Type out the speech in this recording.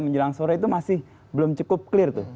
menjelang sore itu masih belum cukup clear tuh